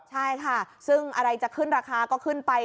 ใช่ค่ะซึ่งอะไรจะขึ้นราคาก็ขึ้นไป